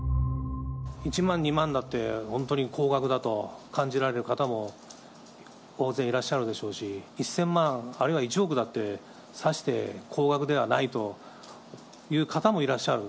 １万、２万だって、本当に高額だと感じられる方も大勢いらっしゃるでしょうし、１０００万、あるいは１億だって、さして高額ではないという方もいらっしゃる。